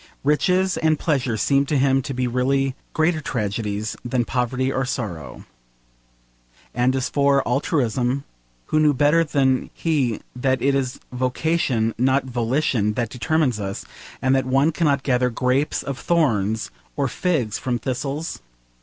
Riches and pleasure seemed to him to be really greater tragedies than poverty or sorrow. And as for altruism, who knew better than he that it is vocation not volition that determines us, and that one cannot gather grapes of thorns or figs from thistles?